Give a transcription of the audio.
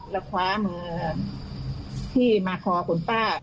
แล้วคว้ามือที่มาคอคุณป้า